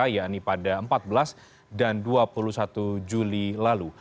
yakni pada empat belas dan dua puluh satu juli lalu